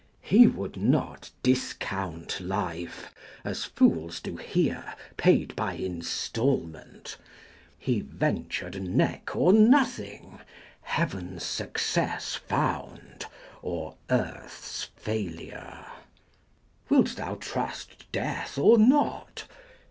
He would not discount life, as fools do here, Paid by installment. He ventured neck or nothing heaven's success Found, or earth's failure: 110 "Wilt thou trust death or not?"